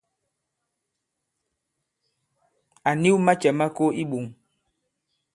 À niw macɛ̌ ma ko i iɓoŋ.